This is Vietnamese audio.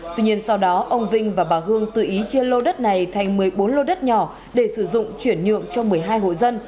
tuy nhiên sau đó ông vinh và bà hương tự ý chia lô đất này thành một mươi bốn lô đất nhỏ để sử dụng chuyển nhượng cho một mươi hai hộ dân